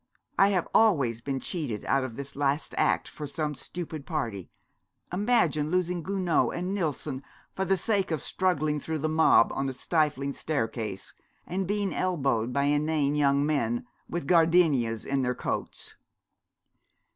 'I have always been cheated out of this last act for some stupid party. Imagine losing Gounod and Nillson for the sake of struggling through the mob on a stifling staircase, and being elbowed by inane young men, with gardenias in their coats.'